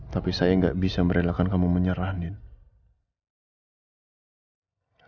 tapi saya gak bisa merelakan kamu menyerah nino